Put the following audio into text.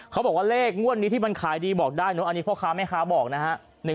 เขาบอกว่าเลขงวดนี้ที่มันขายดีบอกได้เนอะอันนี้พ่อค้าแม่ค้าบอกนะฮะ